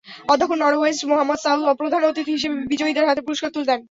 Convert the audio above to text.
অধ্যক্ষ নওরোজ মোহাম্মদ সাঈদ প্রধান অতিথি হিসেবে বিজয়ীদের হাতে পুরস্কার তুলে দেন।